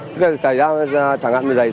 tức là xảy ra chẳng hạn như vậy